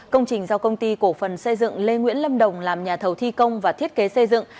công trình do công ty cổ phần xây dựng lê nguyễn lâm đồng làm nhà thầu thi công và thiết kế xây dựng